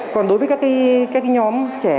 còn đối với các nhóm trẻ